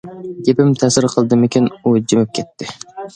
گېپىم تەسىر قىلدىمىكىن، ئۇ جىمىپ كەتتى.